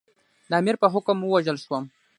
د امیر په حکم ووژل شوم.